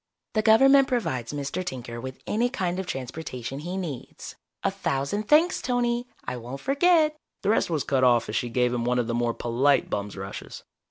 "The Government provides Mr. Tinker with any kind of transportation he needs. A thousand thanks, Tony. I won't forget " The rest was cut off as she gave him one of the more polite bum's rushes.